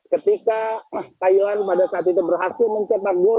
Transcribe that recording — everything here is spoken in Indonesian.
ketika thailand pada saat itu berhasil mencetak nur di menit menit akhir